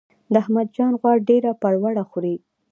د احمد جان غوا ډیره پروړه خوري.